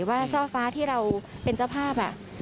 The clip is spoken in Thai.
ว่าช่อฟ้าที่เราเป็นเจ้าภาพ